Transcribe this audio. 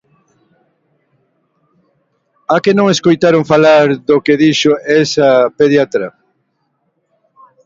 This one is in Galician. ¿A que non escoitaron falar do que dixo esa pediatra?